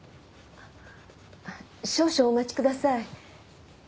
少々お待ちください。